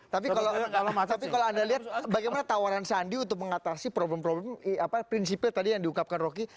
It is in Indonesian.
tapi kalau anda lihat bagaimana tawaran sandi untuk mengatasi problem problem prinsipil tadi yang diungkapkan roky